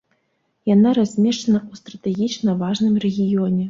Яна размешчана ў стратэгічна важным рэгіёне.